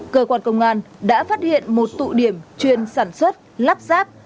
cơ quan công an đã phát hiện một tụ điểm chuyên sản xuất lắp ráp